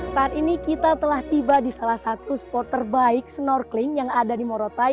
saat ini kita telah tiba di salah satu spot terbaik snorkeling yang ada di morotai